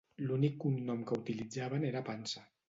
L'únic cognom que utilitzaven era Pansa.